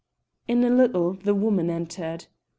In a little the woman entered.